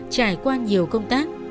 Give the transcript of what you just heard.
trải qua nhiều công tác